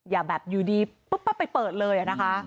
อย่าแบบอยู่ดีปุ๊บปั๊บไปเปิดเลยนะคะ